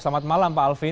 selamat malam pak alvin